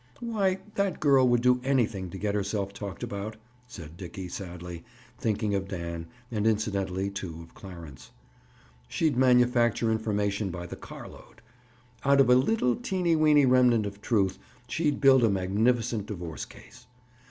"Why, that girl would do anything to get herself talked about," said Dickie sadly, thinking of Dan, and incidentally, too, of Clarence. "She'd manufacture information by the car load. Out of a little, teeny weeny remnant of truth, she'd build a magnificent divorce case.